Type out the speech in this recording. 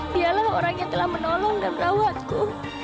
dialah orang yang telah menolong dan merawatku